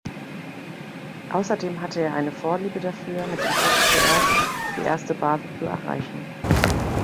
Außerdem hatte er eine Vorliebe dafür, mit dem Kopf zuerst die erste Base zu erreichen.